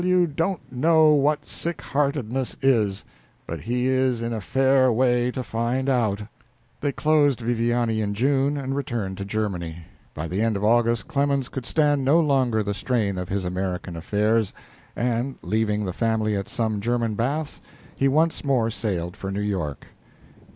W. don't know what sick heartedness is, but he is in a fair way to find out." They closed Viviani in June and returned to Germany. By the end of August Clemens could stand no longer the strain of his American affairs, and, leaving the family at some German baths, he once more sailed for New York.